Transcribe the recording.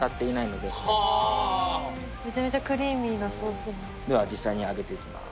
めちゃめちゃクリーミーなソースでは実際に揚げていきます